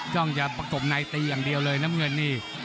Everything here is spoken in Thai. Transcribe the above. ต้องจะประกบในตีอย่างเดียวเลยน้ำเงินนี่